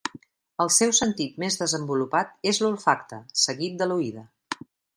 El seu sentit més desenvolupat és l'olfacte, seguit de l'oïda.